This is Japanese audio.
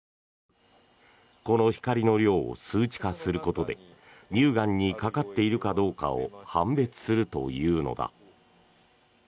この光の量を数値化することで乳がんにかかっているかどうかを判別するというのだ。